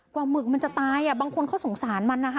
กว่าหมึกมันจะตายบางคนเขาสงสารมัน